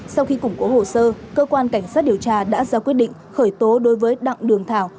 sau khi củng cố hồ sơ cơ quan cảnh sát điều tra đã ra quyết định khởi tố đối với đặng đường thảo